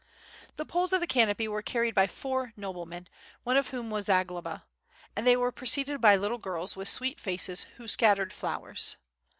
The poles of the canopy was carried by four noblemen, one of whom was Zagloba, and they were preceeded by little girls with sweet faces who scattered flowers.